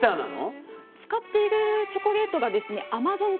使っているチョコレートがアマゾン